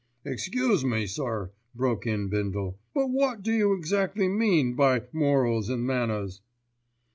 "Excuse me, sir," broke in Bindle, "but wot do you exactly mean by morals an' manners?"